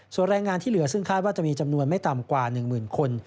ส่วนแรงงานที่เหลือซึ่งคาดว่าจะมีจำนวนไม่ต่ำกว่า๑๐๐๐คน